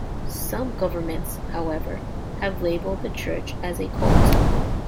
Some governments, however, have labeled the church as a cult.